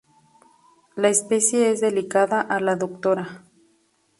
La especie es dedicada a la Dra.